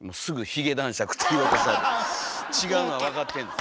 違うのは分かってんです。